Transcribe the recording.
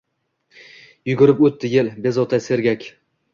Yugurib oʻtdi yel – bezovta, sergak.